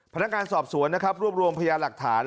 พนักงานสอบสวนนะครับรวบรวมพยาหลักฐาน